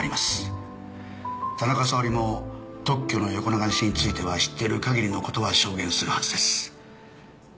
田中沙織も特許の横流しについては知っている限りの事は証言するはずです。